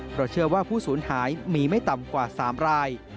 เพราะเชื่อว่าผู้สูญหายมีไม่ต่ำกว่า๓ราย